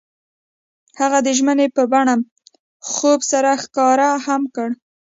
هغوی د ژمنې په بڼه خوب سره ښکاره هم کړه.